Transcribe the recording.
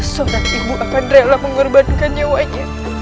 sonak ibu akan rela mengorbankan nyawanya